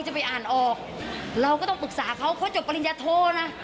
ไปอ่านออกเราก็ต้องปรึกษาเขาเขาจบปริญญาโทนะ